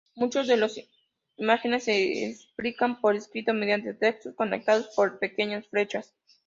Muchos de las imágenes se explican por escrito mediante textos conectados por pequeñas flechas.